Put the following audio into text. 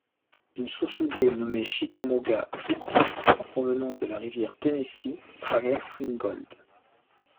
Une source d'eau nommée Chickamauga Creek en provenance de la rivière Tennessee traverse Ringgold.